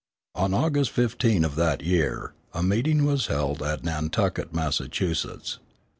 On August 15 of that year a meeting was held at Nantucket, Massachusetts.